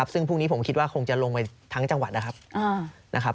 ซึ่งพรุ่งนี้ผมคิดว่าคงจะลงไปทั้งจังหวัดนะครับ